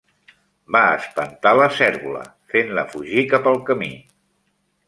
Va espantar la cérvola, fent-la fugir cap al camí.